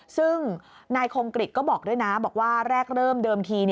ซึ่งนายคงกริจก็บอกด้วยนะบอกว่าแรกเริ่มเดิมที